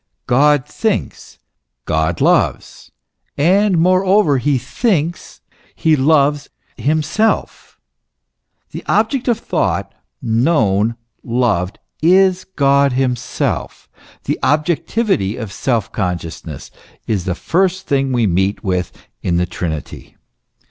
God thinks, God loves; and, moreover, he thinks, he loves himself; the object thought, known, loved, is God himself. The objectivity of self consciousness is the first thing we meet with in the Trinity.